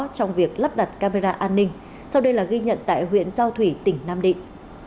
trong việc lắp đặt camera an ninh sau đây là ghi nhận tại huyện giao thủy tỉnh nam định